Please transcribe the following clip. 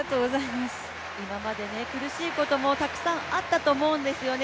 今まで苦しいこともたくさんあったと思うんですよね。